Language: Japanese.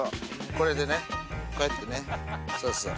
これでねこうやってねそうそう。